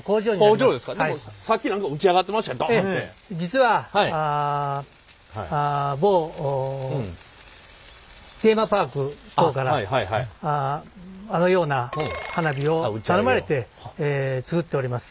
実は某テーマパーク等からあのような花火を頼まれて作っております。